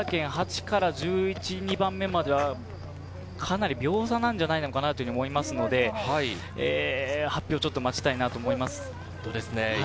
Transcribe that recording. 通過ボーダー圏、８から１１１２番目まではかなり秒差なんじゃないかなと思いますので、発表をちょっと待ちたいなと思います。